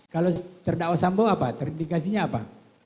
kalau terdakwa sambo apa terindikasinya apa